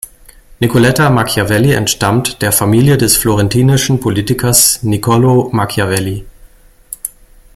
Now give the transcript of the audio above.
Nicoletta Machiavelli entstammt der Familie des florentinischen Politikers Niccolò Machiavelli.